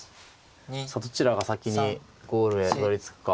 さあどちらが先にゴールへたどりつくか。